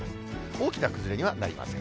大きな崩れにはなりません。